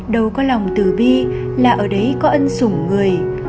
đâu có lòng tử bi là ở đấy có ân sủng người